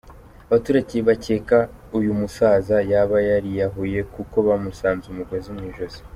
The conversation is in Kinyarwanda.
Abaturage bakeka uyu musaza yaba yariyahuye kuko bamusanze umugozi mu ijosi.